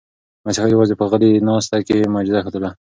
مسیحا یوازې په غلې ناسته کې معجزه ښودله.